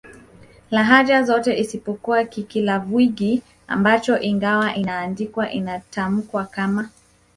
lahaja zote isipokuwa Kikilavwugi ambacho ingawa inaandikwa inatamkwa kama